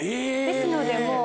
ですのでもう。